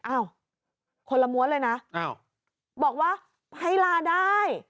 อ้าวคนละม้วนเลยนะบอกว่าให้ลาได้